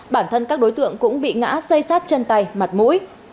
bản thân các đối tượng cũng bị ngã xây sát chân tay mặt mũi